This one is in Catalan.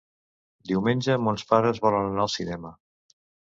Diumenge mons pares volen anar al cinema.